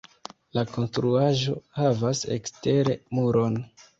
La konstruaĵo havas ekstere muron.